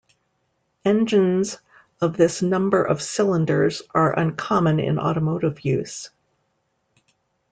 Engines of this number of cylinders are uncommon in automotive use.